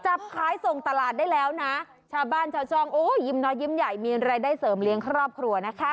จับขายส่งตลาดได้แล้วนะชาวบ้านชาวช่องโอ้ยยิ้มน้อยยิ้มใหญ่มีรายได้เสริมเลี้ยงครอบครัวนะคะ